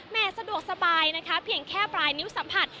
สะดวกสบายนะคะเพียงแค่ปลายนิ้วสัมผัส